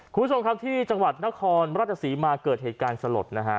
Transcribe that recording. คุณผู้ชมครับที่จังหวัดนครราชศรีมาเกิดเหตุการณ์สลดนะฮะ